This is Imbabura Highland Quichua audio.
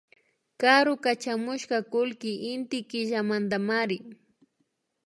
Karu kachamushka kullkika Inti killamantamari